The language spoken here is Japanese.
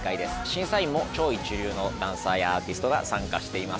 審査員も超一流のダンサーやアーティストが参加しています。